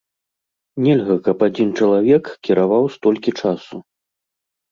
Нельга, каб адзін чалавек кіраваў столькі часу.